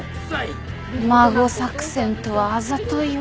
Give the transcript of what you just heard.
孫作戦とはあざといわ。